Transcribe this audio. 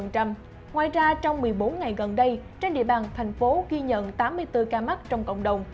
ngoài ra trong một mươi bốn ngày gần đây trên địa bàn thành phố ghi nhận tám mươi bốn ca mắc trong cộng đồng